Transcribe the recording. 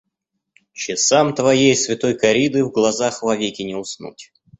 Часам твоей святой корриды в глазах вовеки не уснуть.